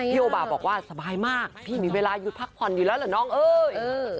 โอบาบอกว่าสบายมากพี่มีเวลาหยุดพักผ่อนอยู่แล้วเหรอน้องเอ้ย